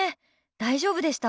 大丈夫でした？